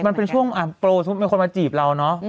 มันเป็นช่วงโปรสมมุติมีคนมาจีบเราเนอะ